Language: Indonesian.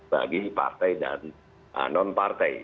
bagi partai dan non partai